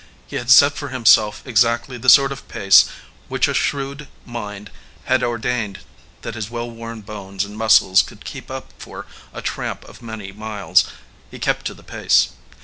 He had set for himself exactly the sort of pace which a shrewd mind had ordained that his well worn bones and muscles could keep up for a tramp of many miles. He kept to the pace.